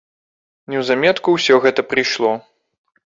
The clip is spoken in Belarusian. Неўзаметку ўсё гэта прыйшло.